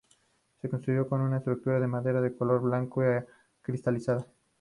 Se construyó con una estructura de madera de color blanco y acristalada.